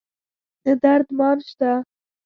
نه درد مان شته